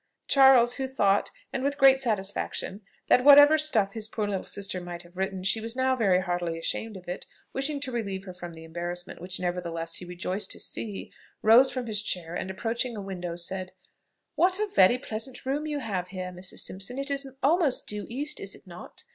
Charles, who thought, and with great satisfaction, that whatever stuff his poor little sister might have written, she was now very heartily ashamed of it, wishing to relieve her from the embarrassment, which nevertheless he rejoiced to see, rose from his chair, and approaching a window, said, "What a very pleasant room you have here, Mrs. Simpson; it is almost due east, is it not?